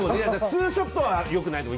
ツーショットは良くないよ。